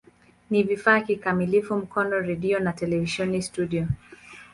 Ni vifaa kikamilifu Mkono redio na televisheni studio.